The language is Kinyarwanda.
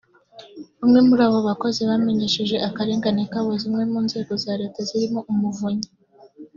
Bamwe muri abo bakozi bamenyesheje akarengane kabo zimwe mu nzego za Leta zirimo Umuvunyi